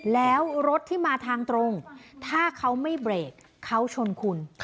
แล้วรถที่มาทางตรงถ้าเขาไม่เบรกเขาชนคุณ